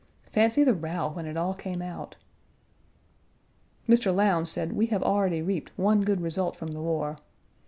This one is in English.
Fancy the row when it all came out. Mr. Lowndes said we have already reaped one good result from the war.